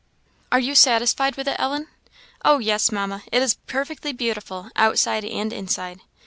"Are you satisfied with it, Ellen?" "Oh, yes, Mamma; it is perfectly beautiful, outside and inside.